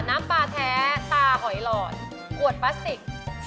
น้ำปลาแท้ตาหอยหลอดขวดพลาสติก